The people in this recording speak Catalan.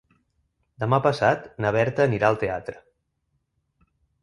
Demà passat na Berta anirà al teatre.